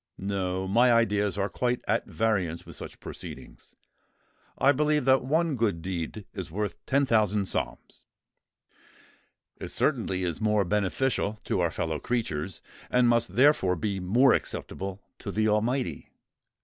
No—my ideas are quite at variance with such proceedings. I believe that one good deed is worth ten thousand psalms. It certainly is more beneficial to our fellow creatures, and must therefore be more acceptable to the Almighty.